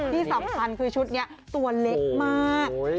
ที่สำคัญคือชุดนี้ตัวเล็กมาก